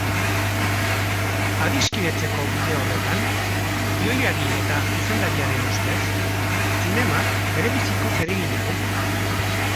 Adiskidetzeko bide horretan, gidoilari eta zuzendariaren ustez, zinemak berebiziko zeregina du.